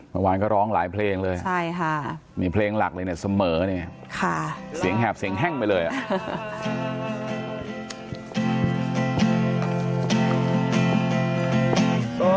เมื่อวานก็ร้องหลายเพลงเลยใช่ค่ะมีเพลงหลักเลยเนี่ยเสมอเนี่ยเสียงแหบเสียงแห้งไปเลยอ่ะ